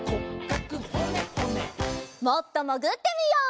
もっともぐってみよう！